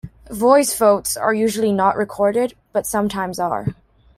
Voice votes are usually not recorded, but sometimes are.